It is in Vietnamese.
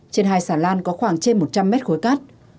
trên hai xà lan có khoảng trên một trăm linh mét khối cát